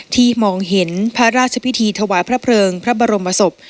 มองเห็นพระราชพิธีถวายพระเพลิงพระบรมศพ